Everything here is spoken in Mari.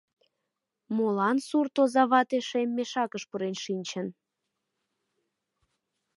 Молан сурт оза вате шем мешакыш пурен шинчын?